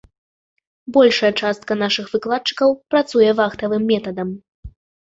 Большая частка нашых выкладчыкаў працуе вахтавым метадам.